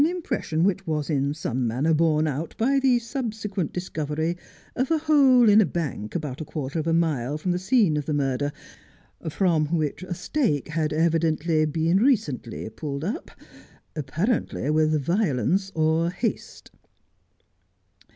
pression which was in some manner borne out by the subsequent discovery of a hole in a bank about a quarter of a mile from the scene of the murder, from which a stake had evidently been recently pulled up, apparently with violence or haste.